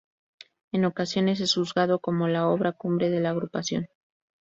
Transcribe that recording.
En ocasiones es juzgado como la obra cumbre de la agrupación.